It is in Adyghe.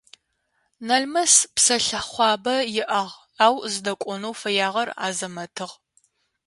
Налмэс псэлъыхъуабэ иӏагъ, ау зыдэкӏонэу фэягъэр Азэмэтыгъ.